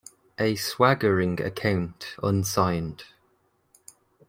A swaggering account, unsigned.